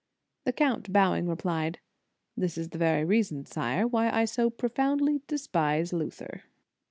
The Count bowing, replied: "This is the very reason, Sire, why I so pro foundly despise Luther."